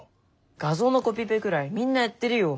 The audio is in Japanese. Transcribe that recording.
画像のコピペぐらいみんなやってるよ。